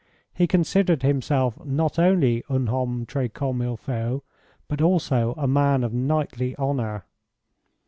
He considered himself not only un homme tres comme il faut, but also a man of knightly honour.